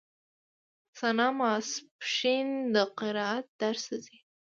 ثنا ماسپښين د قرائت درس ته ځي.